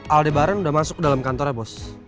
aldebaran sudah masuk ke dalam kantornya bos